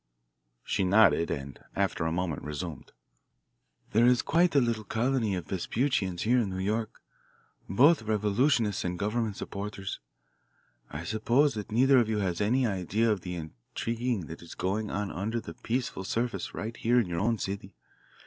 She nodded and after a moment resumed "There is quite a little colony of Vespuccians here in New York, both revolutionists and government supporters. I suppose that neither of you has any idea of the intriguing that is going on under the peaceful surface right here in your own city.